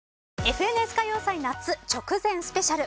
『ＦＮＳ歌謡祭夏』直前スペシャル。